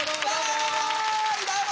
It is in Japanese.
どうも！